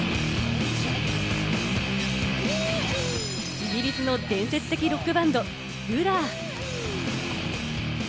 イギリスの伝説的ロックバンド・Ｂｌｕｒ。